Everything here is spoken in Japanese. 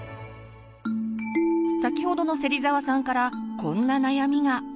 先ほどの芹澤さんからこんな悩みが。